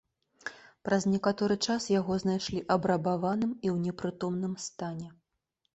Праз некаторы час яго знайшлі абрабаваным і ў непрытомным стане.